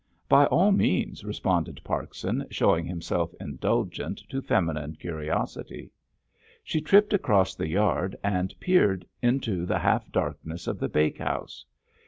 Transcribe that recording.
"By all means," responded Parkson, showing himself indulgent to feminine curiosity. She tripped across the yard, and peered into the half darkness of the bakehouse.